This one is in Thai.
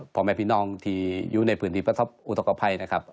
พ่อแม่พี่น้องที่อยู่ในพื้นที่ประสบอุทธกภัยนะครับ